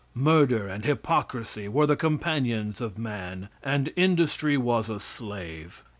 Murder and hypocrisy were the companions of man, and industry was a slave.